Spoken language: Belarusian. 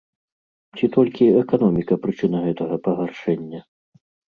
Ці толькі эканоміка прычына гэтага пагаршэння?